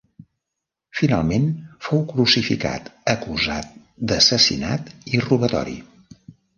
Finalment fou crucificat acusat d'assassinat i robatori.